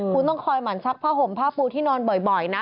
คุณต้องคอยหมั่นซักผ้าห่มผ้าปูที่นอนบ่อยนะ